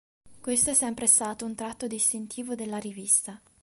Questo è sempre stato un tratto distintivo della rivista.